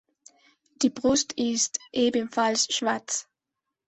Die Brust ist ebenfalls schwarz.